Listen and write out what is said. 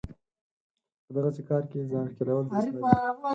په دغسې کار کې ځان ښکېلول درست نه دی.